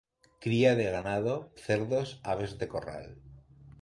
Cría de ganado, cerdos, aves de corral.